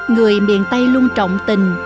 người miền tây luôn trọng tình